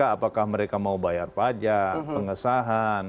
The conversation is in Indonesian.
apakah mereka mau bayar pajak pengesahan